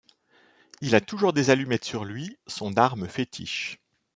Il a toujours des allumettes sur lui, son arme fétiche.